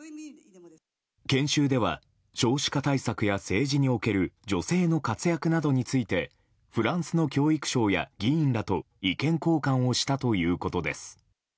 研修では少子化対策や政治における女性の活躍などについてフランスの教育省や議員らと意見交換をしたということです。